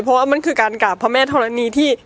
เพราะว่ามันคือการกราบพระแม่ธรณีที่